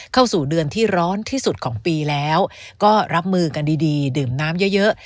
เข้าสู่เดือนที่ร้อนที่สุดของปีแล้วก็รับมือกันดีดีดื่มน้ำเยอะเยอะ